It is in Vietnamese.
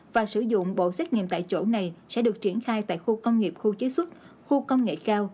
và sử dụng bộ xét nghiệm tại chỗ này sẽ được triển khai tại khu công nghiệp khu chế xuất khu công nghệ cao